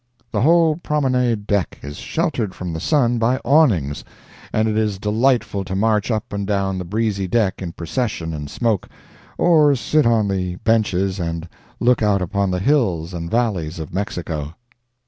The whole promenade deck is sheltered from the sun by awnings, and it is delightful to march up and down the breezy deck in procession and smoke, or sit on the benches and look out upon the hills and valleys of Mexico.